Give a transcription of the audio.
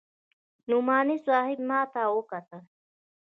نعماني صاحب ما ته وکتل.